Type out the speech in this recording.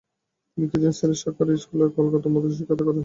তিনি কিছুদিন সিলেট সরকারি স্কুল ও কলকাতা মাদ্রাসায় শিক্ষকতা করেন।